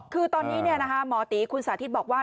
คือตอนนี้หมอตีคุณสาธิตบอกว่า